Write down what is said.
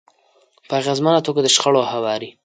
-په اغیزمنه توګه د شخړو هواری